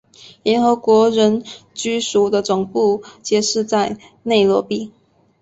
联合国人居署的总部皆设在内罗毕。